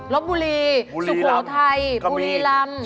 รสบุรีสุโขทัยบุรีลำบุรีลำใช่